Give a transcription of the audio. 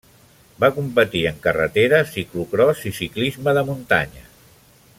Va competir en carretera, ciclocròs i ciclisme de muntanya.